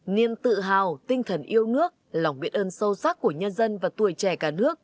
niềm tự hào tinh thần yêu nước lòng biện ơn sâu sắc của nhân dân và tuổi trẻ cả nước